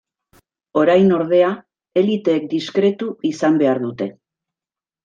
Orain, ordea, eliteek diskretu izan behar dute.